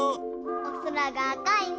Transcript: おそらがあかいね。